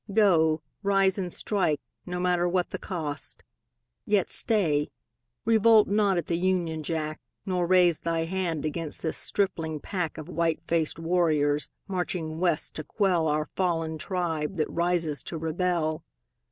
Go; rise and strike, no matter what the cost. Yet stay. Revolt not at the Union Jack, Nor raise Thy hand against this stripling pack Of white faced warriors, marching West to quell Our fallen tribe that rises to rebel.